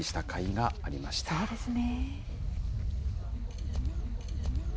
そうですね。